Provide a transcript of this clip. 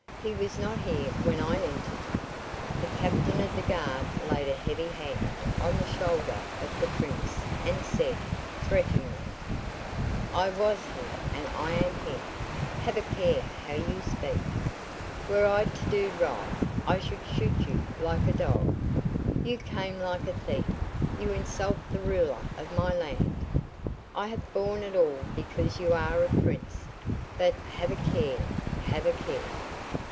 "He was not here when I entered!" The captain of the guard laid a heavy hand on the shoulder of the Prince and said, threateningly: "I was here and I am here. Have a care how you speak. Were I to do right I should shoot you like a dog. You came like a thief, you insult the ruler of my land. I have borne it all because you are a Prince, but have a care have a care.